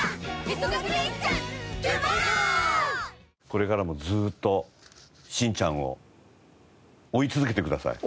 これからもずっとしんちゃんを追い続けてください。